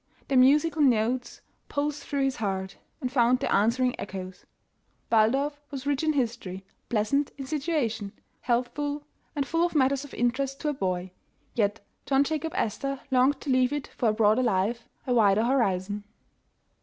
Their musical notes pulsed through his heart, and found there answering echoes. Waldorf was rich in history, pleasant in situation, healthful, and full of matters of interest to a boy, yet John Jacob Astor longed to leave it for a broader life, a wider horizon.